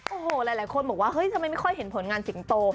โอ้โหหลายคนบอกว่าเฮ้ยทำไมไม่ค่อยเห็นผลงานสิงโต